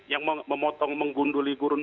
yang memotong menggunduli